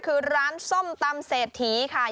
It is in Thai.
คือร้านส้มตำเศรษฐีค่ะ